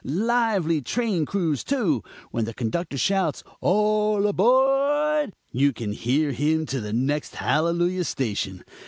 Lively train crews, too. When the conductor shouts 'All a b o a r d!' you can hear him to the next hallelujah station.